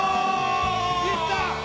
いった！